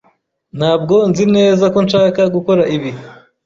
Ntabwo nzi neza ko nshaka gukora ibi.